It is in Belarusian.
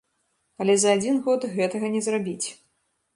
Але за адзін год гэтага не зрабіць.